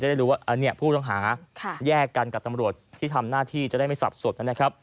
ได้รู้ว่าผู้ต้องหาแยกกันกับตำรวจที่ทำหน้าที่จะได้ไม่สับสนนะครับ